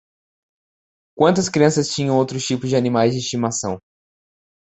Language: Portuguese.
Quantas crianças tinham outros tipos de animais de estimação?